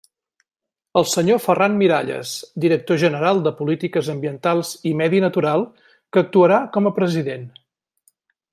El senyor Ferran Miralles, director general de Polítiques Ambientals i Medi Natural, que actuarà com a president.